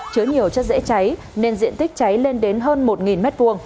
chứa nhiều chất dễ cháy nên diện tích cháy lên đến hơn một m hai